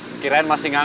ada informasi pekerjaan